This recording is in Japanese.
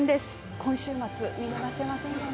今週末は見逃せません。